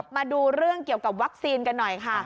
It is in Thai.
มาดูเรื่องเกี่ยวกับวัคซีนกันหน่อยค่ะ